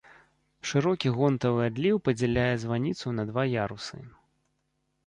Шырокі гонтавы адліў падзяляе званіцу на два ярусы.